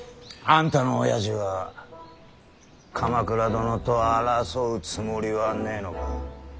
あんたのおやじは鎌倉殿と争うつもりはねえのか。